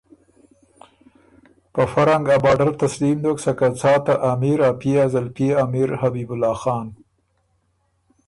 په فۀ رنګ بارډر تسلیم دوک سکه څا ته امیر ا پئے ا زلپئے امیرحبیب الله خان